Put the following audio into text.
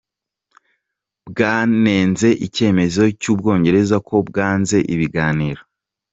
Bwanenze icyemezo cy’u Bwongereza, ko bwanze ibiganiro.